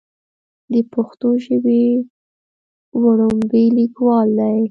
د پښتو ژبې وړومبے ليکوال دی